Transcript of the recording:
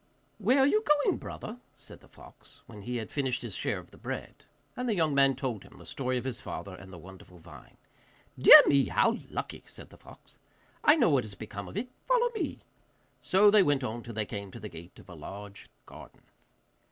'Where are you going, brother?' said the fox, when he had finished his share of the bread; and the young man told him the story of his father and the wonderful vine. 'Dear me, how lucky!' said the fox. 'I know what has become of it. Follow me!' So they went on till they came to the gate of a large garden.